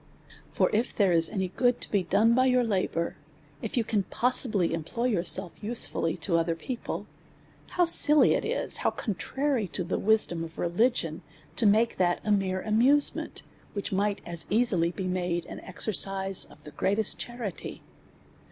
For if there is any good to be done by your labour, if you can possibly employ yourselves usefully to other people, how silly is it, \v)\v contrary to the wisdom of religion to make that a mere amusement, which might as easily be made an exercise of the greatest charity